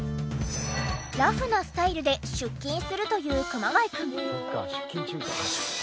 ラフなスタイルで出勤するという熊谷くん。